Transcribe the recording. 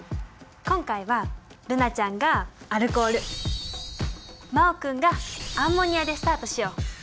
今回は瑠菜ちゃんがアルコール真旺君がアンモニアでスタートしよう。